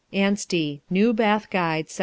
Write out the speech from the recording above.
" ANSTEY, New Bath Guide, 1766.